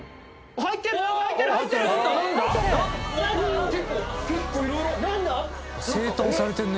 入ってるね。